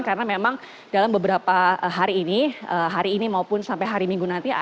karena memang dalam beberapa hari ini hari ini maupun sampai hari minggu nanti